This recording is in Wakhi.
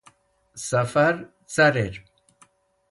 Sẽfar carir